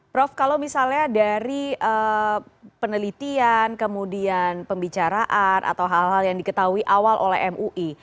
prof kalau misalnya dari penelitian kemudian pembicaraan atau hal hal yang diketahui awal oleh mui